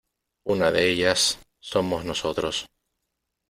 una de ellas somos nosotros .